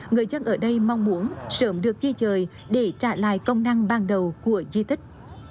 người dân ở đây mong muốn sớm được di dời để trả lại công năng ban đầu của di tích